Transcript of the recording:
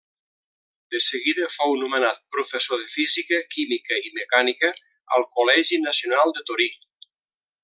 De seguida fou nomenat professor de física, química i mecànica al Col·legi Nacional de Torí.